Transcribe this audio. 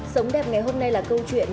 sống đẹp ngày hôm nay là câu chuyện